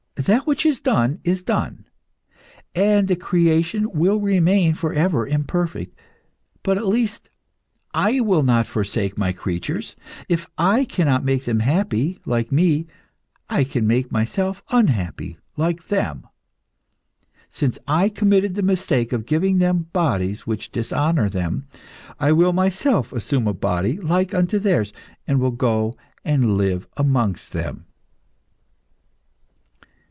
That which is done is done, and the creation will remain for ever imperfect. But, at least, I will not forsake my creatures. If I cannot make them happy, like me, I can make myself unhappy, like them. Since I committed the mistake of giving them bodies which dishonour them, I will myself assume a body like unto theirs, and will go and live amongst them.